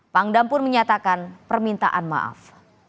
pangdam pun menyatakan permintaan maaf